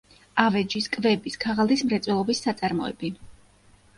ავეჯის, კვების, ქაღალდის მრეწველობის საწარმოები.